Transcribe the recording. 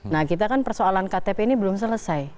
nah kita kan persoalan ktp ini belum selesai